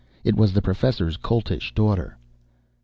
It was the Professor's Coltish Daughter.